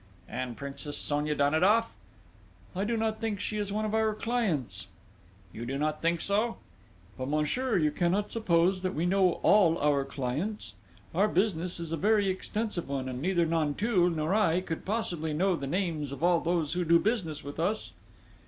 "And Princess Sonia Danidoff?" "I do not think she is one of our clients." "You do not think so?" "But, monsieur, you cannot suppose that we know all our clients? Our business is a very extensive one, and neither Nanteuil, nor I, could possibly know the names of all those who do business with us."